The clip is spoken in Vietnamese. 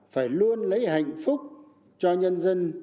phải luôn lấy hạnh phúc cho nhân dân